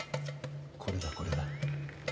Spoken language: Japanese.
これだこれだ。